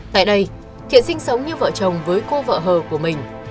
tại đây thiện sinh sống như vợ chồng với cô vợ hờ của mình